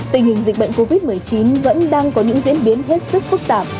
tình hình dịch bệnh covid một mươi chín vẫn đang có những diễn biến hết sức phức tạp